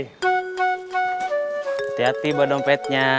hati hati bawa dompetnya